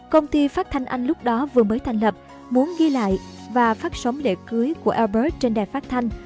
công ty phát thanh anh lúc đó vừa mới thành lập muốn ghi lại và phát sóng lễ cưới của airbus trên đài phát thanh